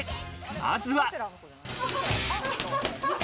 まずは。